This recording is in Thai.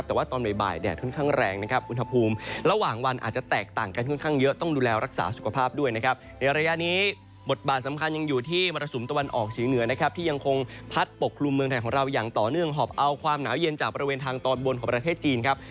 แต่ว่าทั้งวันตอนบ่ายแดดค่อนข้างแรงอุณหภูมิ